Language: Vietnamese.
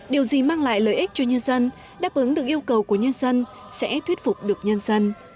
điều gì mang lại lợi ích cho nhân dân đáp ứng được yêu cầu của nhân dân sẽ thuyết phục được nhân dân